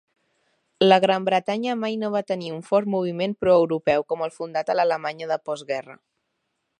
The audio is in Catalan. La Gran Bretanya mai no va tenir un fort moviment proeuropeu com el fundat a l'Alemanya de postguerra.